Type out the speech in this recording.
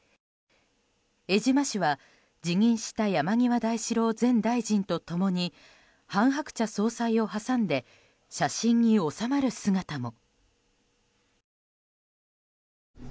江島氏は辞任した山際大志郎前経済再生担当大臣と韓鶴子総裁を挟んで写真に収まる姿も。